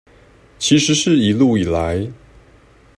其實是一路以來